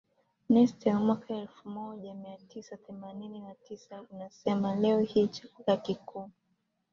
Nestel mwaka elfu moja mia tisa themanini na tisa unasema Leo hii chakula kikuu